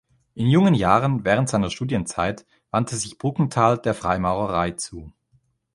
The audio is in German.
In jungen Jahren, während seiner Studienzeit, wandte sich Brukenthal der Freimaurerei zu.